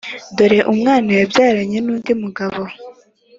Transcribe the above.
dore umwana yabyaranye n’undi mugabo